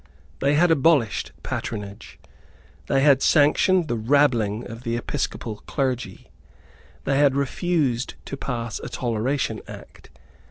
They had abolished patronage; they had sanctioned the rabbling of the episcopal clergy; they had refused to pass a Toleration Act.